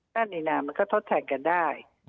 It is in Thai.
ก็นอนินามเขาทดแทนกันได้